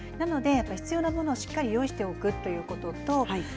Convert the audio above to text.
必要なものはしっかり用意しておくということです。